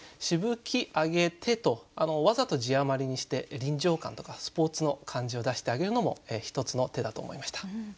「しぶき上げて」とわざと字余りにして臨場感とかスポーツの感じを出してあげるのも一つの手だと思いました。